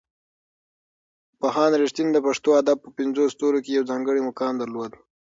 پوهاند رښتین د پښتو ادب په پنځو ستورو کې یو ځانګړی مقام درلود.